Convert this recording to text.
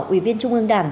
ủy viên trung ương đảng